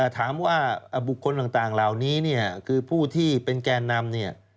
ถามว่าบุคคลต่างราวนี้คือผู้ที่เป็นแกนนำ